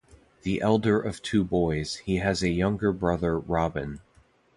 The elder of two boys, he has a younger brother Robin.